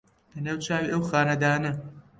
لە نێو چاوی ئەو خانەدانە